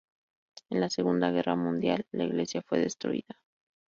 En la Segunda Guerra Mundial, la iglesia fue destruida.